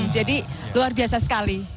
jadi luar biasa sekali